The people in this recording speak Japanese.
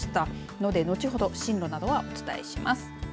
ので、後ほど進路などをお伝えします。